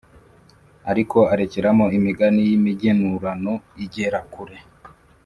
ariko arekeramo imigani y’imigenurano igerakure